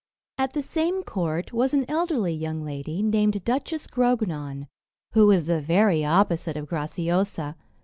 At the same court was an elderly young lady named Duchess Grognon, who was the very opposite of Graciosa.